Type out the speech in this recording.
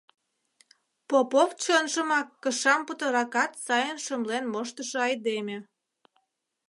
Попов чынжымак кышам путыракат сайын шымлен моштышо айдеме.